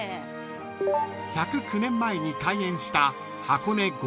［１０９年前に開園した］